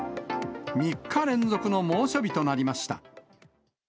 ３日連続の猛暑日となりました。